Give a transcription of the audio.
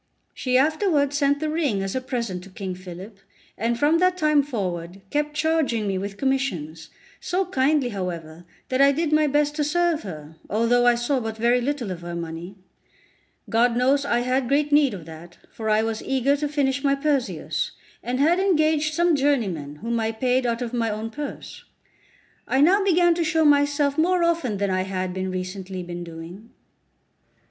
She afterwards sent the ring as a present to King Philip, and from that time forward kept charging me with commissions, so kindly, however, that I did my best to serve her, although I saw but very little of her money. God knows I had great need of that, for I was eager to finish my Perseus, and had engaged some journeymen, whom I paid out of my own purse. I now began to show myself more often than I had recently been doing.